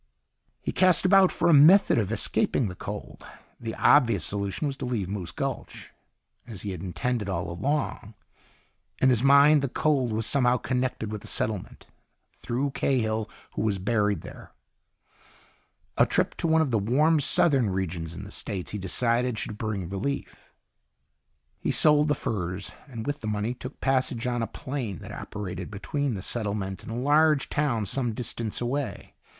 He cast about for a method of escaping the cold. The obvious solution was to leave Moose Gulch, as he had intended all along. In his mind the cold was somehow connected with the settlement, through Cahill, who was buried there. A trip to one of the warm, southern regions in the States, he decided, should bring relief. He sold the furs and with the money took passage on a plane that operated between the settlement and a large town some distance away.